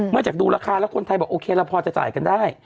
จากดูราคาแล้วคนไทยบอกโอเคเราพอจะจ่ายกันได้